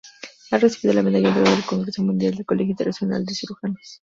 Ha recibido la medalla de oro del Congreso Mundial del Colegio Internacional de Cirujanos.